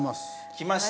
きました。